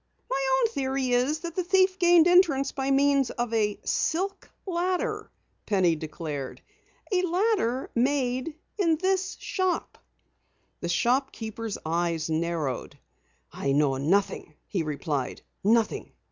"My own theory is that the thief gained entrance by means of a silk ladder," Penny declared. "A ladder made in this shop!" The shopkeeper's eyes narrowed. "I know nothing," he replied. "Nothing.